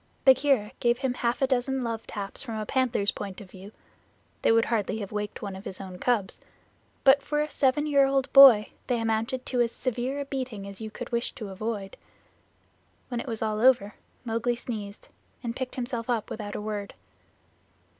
Bagheera gave him half a dozen love taps from a panther's point of view (they would hardly have waked one of his own cubs), but for a seven year old boy they amounted to as severe a beating as you could wish to avoid. When it was all over Mowgli sneezed, and picked himself up without a word.